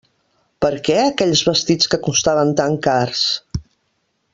Per a què aquells vestits que costaven tan cars?